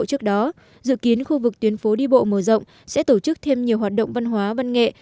trước đó dự kiến khu vực tuyến phố đi bộ mở rộng sẽ tổ chức thêm nhiều hoạt động văn hóa văn nghệ